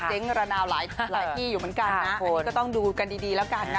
ระนาวหลายที่อยู่เหมือนกันนะอันนี้ก็ต้องดูกันดีดีแล้วกันนะ